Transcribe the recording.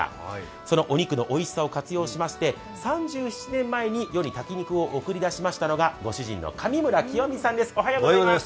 そのお肉のおいしさを活用しまして３７年前に世に炊き肉を送り出しましたのが、ご主人の上村清美さんです。